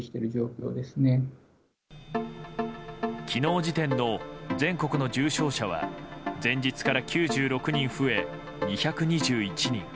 昨日時点の全国の重症者は前日から９６人増え２２１人。